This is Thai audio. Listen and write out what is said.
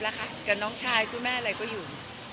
วาถแม่คุณเนย์อะไรก็อยู่